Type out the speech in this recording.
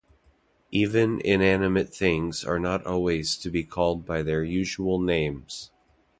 Even inanimate things are not always to be called by their usual names.